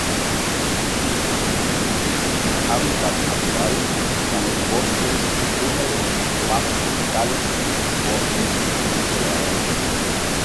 Su habitat natural son los bosques húmedos bajos tropicales y los bosques muy degradados.